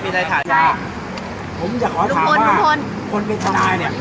ผมอยากแต่งเดอมไซน์มารับเอาใส่อะไร